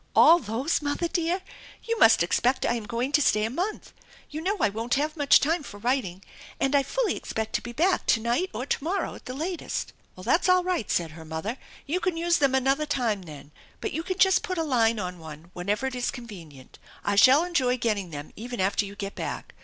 "All those, mother dear? You must expect I am going to stay a month! You know I won't have much time for writing, and I fully expect to be back to night or to morrow at the latest." "Well, that's all right," said her mother. "You can use them another time, then; but you can just put a line on one whenever it is convenient. I shall enjoy getting them even after you get back.